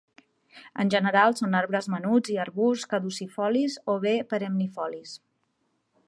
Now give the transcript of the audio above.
En general són arbres menuts i arbusts caducifolis o bé perennifolis.